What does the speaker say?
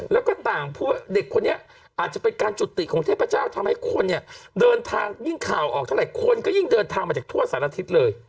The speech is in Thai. แล้วก็ต่างพูดว่าเด็กคนนี้อาจจะเป็นการจุติของเทพเจ้าทำให้คนเนี่ยเดินทางยิ่งข่าวออกเท่าไหร่คนก็ยิ่งเดินทางมาจากทั่วสารทิศเลย